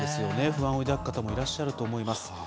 不安を抱く方もいらっしゃると思います。